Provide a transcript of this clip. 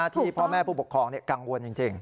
ที่พ่อแม่ผู้ปกครองกังวลจริง